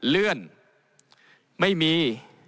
เลื่อนไม่มี